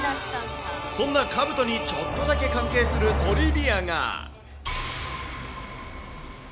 そんなかぶとにちょっとだけ関係するトリビアが。